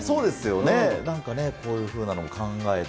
なんかね、こういうふうなのも考えて。